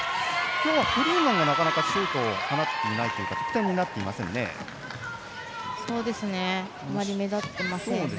今日、フリーマンがなかなかシュートを放っていないというかあまり目立ってませんね。